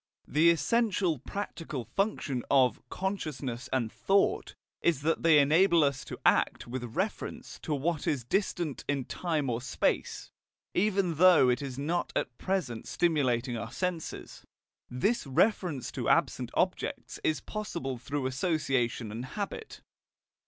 The essential practical function of "consciousness" and "thought" is that they enable us to act with reference to what is distant in time or space, even though it is not at present stimulating our senses. This reference to absent objects is possible through association and habit.